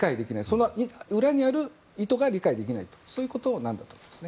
その裏にある意図が理解できないということなんだと思います。